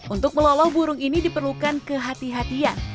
untuk meloloh burung ini diperlukan kehatian